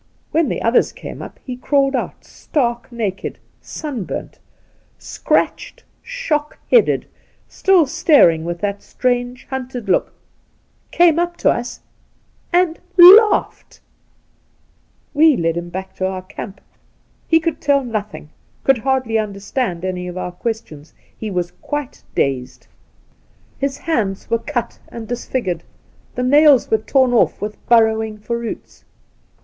When the others came up, he crawled out, stark naked, sunburnt, scratched, shock headed — still staring with that strange hunted look^ came up to us and — ^laughed ! We led him back to our camp. He could teU nothing, could hardly understand any of our questions. He was quite dazed. His hands were cut and dis 8 The Outspan figured, the nails were wprn off with burrowing for roots.